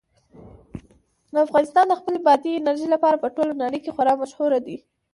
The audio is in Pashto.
افغانستان د خپلې بادي انرژي لپاره په ټوله نړۍ کې خورا مشهور دی.